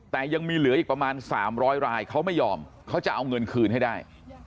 แต่ยังมีเหลืออีกประมาณ๓๐๐รายเขาไม่ยอมเขาจะเอาเงินคืนให้ได้